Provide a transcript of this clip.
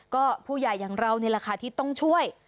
ก็ผู้ใหญ่อย่างเรานี่แหละค่ะที่ต้องช่วย